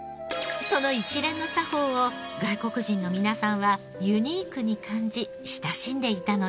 その一連の作法を外国人の皆さんはユニークに感じ親しんでいたのです。